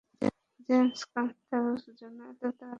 James কস্তার জন্য এতো তাড়াতাড়ি ভেংগে পরোনা।